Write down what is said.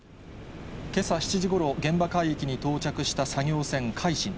けさ７時ごろ、現場海域に到着した作業船、海進。